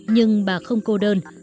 nhưng bà không cô đơn